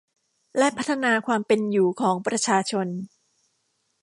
และพัฒนาความเป็นอยู่ของประชาชน